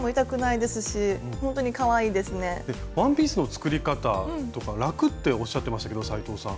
ワンピースの作り方とか楽っておっしゃってましたけど斉藤さん。